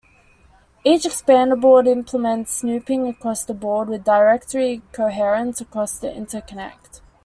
Each expander board implements snooping across the board, with directory coherence across the interconnect.